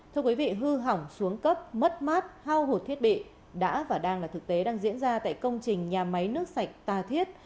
thưa quý vị hư hỏng xuống cấp mất mát hao hụt thiết bị đã và đang là thực tế đang diễn ra tại công trình nhà máy nước sạch ta thiết